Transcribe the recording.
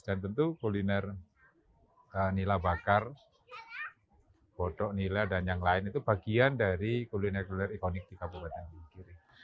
dan tentu kuliner nila bakar bodo nila dan yang lain itu bagian dari kuliner kuliner ikonik di kabupaten wonogiri